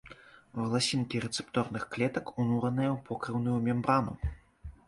Валасінкі рэцэпторных клетак унураныя ў покрыўную мембрану.